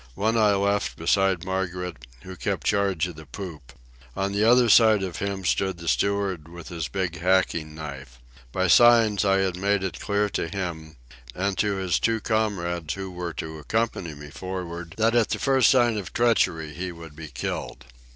One I left beside Margaret, who kept charge of the poop. On the other side of him stood the steward with his big hacking knife. By signs I had made it clear to him, and to his two comrades who were to accompany me for'ard, that at the first sign of treachery he would be killed.